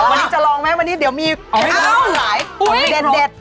วันนี้จะลองไหมวันนี้เดี๋ยวมีอ้าวหลายพูดเด็ด